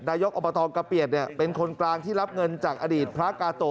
นายกอบตกะเปียดเป็นคนกลางที่รับเงินจากอดีตพระกาโต